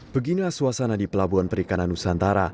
beginilah suasana di pelabuhan perikanan nusantara